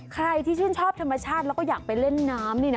ใครที่ชื่นชอบธรรมชาติแล้วก็อยากไปเล่นน้ำนี่นะ